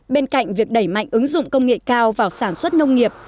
bên cạnh việc đẩy mạnh ứng dụng công nghệ cao vào sản xuất nông nghiệp